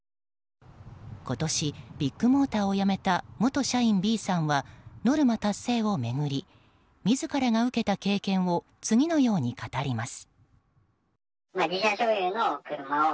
今年、ビッグモーターを辞めた元社員Ｂさんはノルマ達成を巡り自らが受けた経験を次のように語ります。